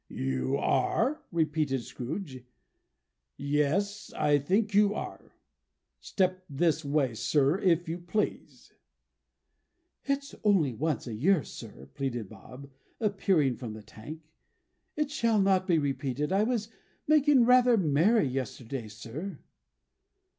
"You are!" repeated Scrooge. "Yes, I think you are. Step this way, sir, if you please." "It's only once a year, sir," pleaded Bob, appearing from the Tank. "It shall not be repeated. I was making rather merry yesterday, sir."